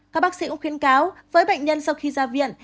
các bác sĩ cũng khuyến cáo với bệnh nhân sau khi ra viện